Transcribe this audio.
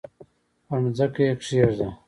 پر مځکه یې کښېږده!